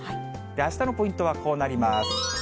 あしたのポイントはこうなります。